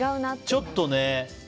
ちょっとね。